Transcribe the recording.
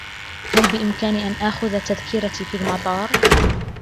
هل بإمكاني أن آخذ تذكرتي في المطار ؟